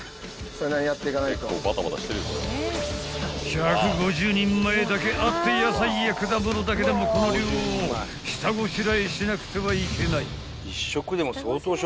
［１５０人前だけあって野菜や果物だけでもこの量を下ごしらえしなくてはいけない］